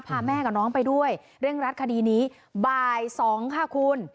พาแม่กับน้องไปด้วยเร่งรัดคดีนี้บ่าย๒ค่ะคุณ